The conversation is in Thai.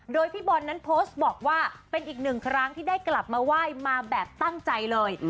โดยพี่บอลนั้นโพสต์บอกว่าเป็นอีกหนึ่งครั้งที่ได้กลับมาไหว้มาแบบตั้งใจเลย